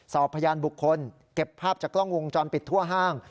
สอบพยานบุคคลเก็บภาพจากกล้องวงจรปิดทั่วห้าง